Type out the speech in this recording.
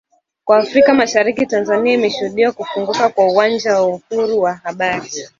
Kwa Afrika mashariki Tanzania imeshuhudia kufunguka kwa uwanja wa uhuru wa habari